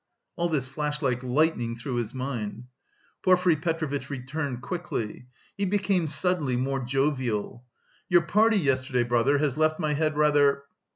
All this flashed like lightning through his mind. Porfiry Petrovitch returned quickly. He became suddenly more jovial. "Your party yesterday, brother, has left my head rather....